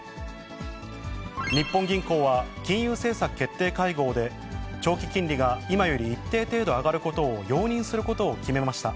日本銀行は、金融政策決定会合で、長期金利が今より一定程度上がることを容認することを決めました。